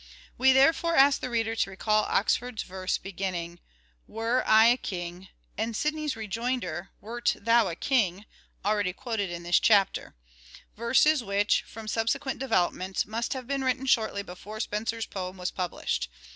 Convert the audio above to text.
We therefore ask the reader to recall Oxford's verse beginning " Were I a king," and Sidney's rejoinder " Wert thou a king," already quoted in this chapter : verses which, from subsequent developments, must have been written shortly before Spenser's poem was published.